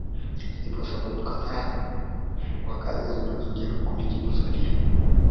Zipo sababu kadha wa kadha zinazojaribu kulijibu swali hili